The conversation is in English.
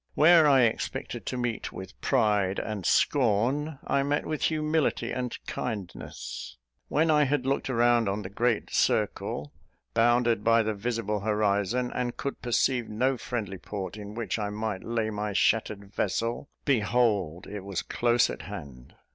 Where I expected to meet with pride and scorn, I met with humility and kindness. When I had looked around on the great circle bounded by the visible horizon, and could perceive no friendly port in which I might lay my shattered vessel, behold it was close at hand!